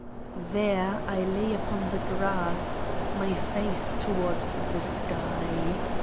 There I lay upon the grass, my face toward the sky.